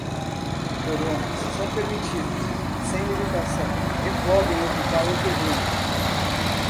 Porões: são permitidos sem limitação e podem ocupar o terreno.